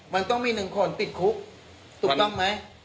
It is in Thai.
มันต้องมี๑คนติดคุกถูกต้องไหม